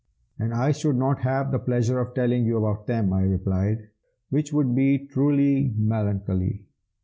"And I should not have the pleasure of telling you about them," I replied, "which would be truly melancholy.